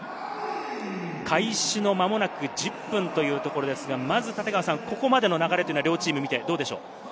開始のまもなく１０分というところですが、まずここまでの流れ、両チームを見てどうでしょう？